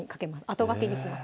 あとがけにします